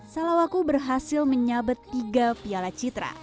salawaku berhasil menyabet tiga piala citra